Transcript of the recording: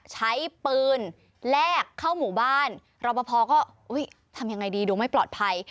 ใช้ปืนแลกเข้าหมู่บ้านรอปภก็ทำยังไงดีดูไม่ปลอดภัย